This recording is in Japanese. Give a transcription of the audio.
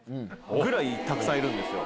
ぐらいたくさんいるんですよ。